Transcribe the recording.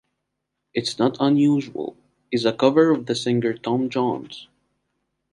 "It's Not Unusual" is a cover of the singer Tom Jones.